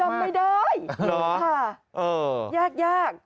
หรือเปล่ายาก